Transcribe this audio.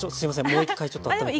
もう一回ちょっとあっためて。